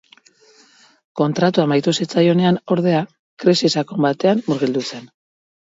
Kontratua amaitu zitzaionean, ordea, krisi sakon batean murgildu zen.